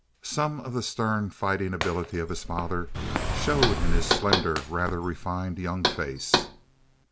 Some of the stern fighting ability of his father showed in his slender, rather refined young face.